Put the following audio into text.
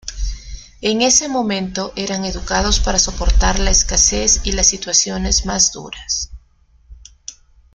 En ese momento eran educados para soportar la escasez y las situaciones más duras.